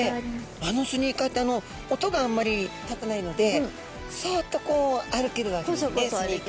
あのスニーカーって音があんまり立たないのでサッとこう歩けるわけですねスニーカーって。